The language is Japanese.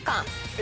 え？